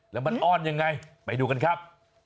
แล้วมันอ้อนยังไงไปดูกันครับ